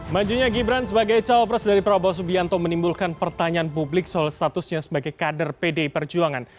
majunya gibran sebagai cawapres dari prabowo subianto menimbulkan pertanyaan publik soal statusnya sebagai kader pdi perjuangan